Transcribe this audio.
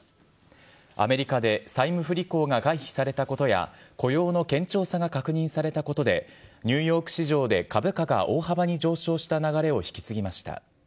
アメリカで債務不履行が回避されたことや、雇用の堅調さが確認されたことで、ニューヨーク市場で株価が大幅に上昇した流れを引き継ぎました。